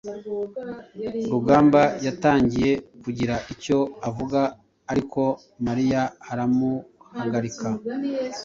Rugamba yatangiye kugira icyo avuga, ariko Mariya aramuhagarika.